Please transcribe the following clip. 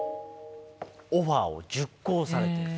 オファーを熟考されている。